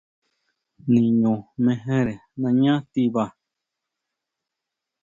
Niño mejere nañá tiba.